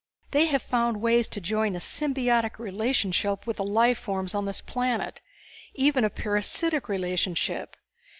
They have found ways to join a symbiotic relationship with the life forms on this planet. Even a parasitic relationship.